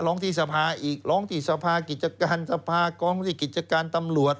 ร้องที่สภาอีกร้องที่สภากิจการสภากองที่กิจการตำรวจ